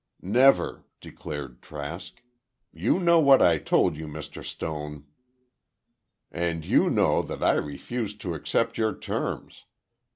"Never," declared Trask. "You know what I told you, Mr. Stone." "And you know that I refused to accept your terms.